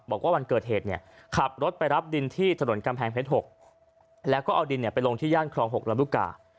บอกว่าวันเกิดเหตุเนี่ยขับรถไปรับดินที่ถนนกำแพงเพชร๖แล้วก็เอาดินไปลงที่ย่านครอง๖ลำลูกกา